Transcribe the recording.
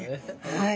はい。